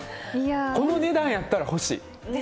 この値段やったら欲しい。